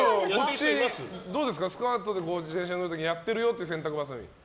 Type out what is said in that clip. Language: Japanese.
スカートで自転車に乗る時やってるよって、洗濯ばさみ。